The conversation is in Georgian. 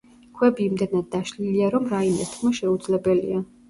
ქვები იმდენად დაშლილია, რომ რაიმეს თქმა შეუძლებელია.